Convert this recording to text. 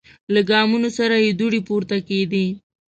له ګامونو سره یې دوړې پورته کیدې.